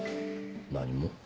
何も。